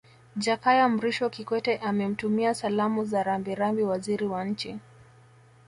Jakaya Mrisho Kikwete amemtumia Salamu za Rambirambi Waziri wa Nchi